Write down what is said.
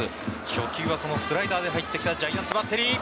初球はスライダーで入ってきたジャイアンツバッテリー。